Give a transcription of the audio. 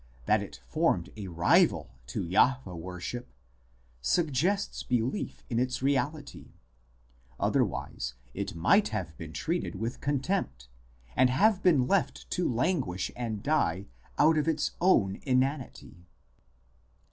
that it formed a rival to Jah we worship, suggests belief in its reality, otherwise it might have been treated with contempt, and have been left to languish and die out of its own inanity.